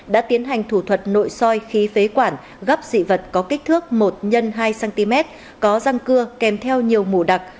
đã tiến hành thủ thuật nội soi khí phế quản gấp dị vật có kích thước một x hai cm có răng cưa kèm theo nhiều mù đặc